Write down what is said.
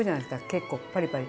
結構パリパリ。